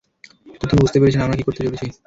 তো তুমি বুঝতে পেরেছেন আমরা কী করতে চলেছি?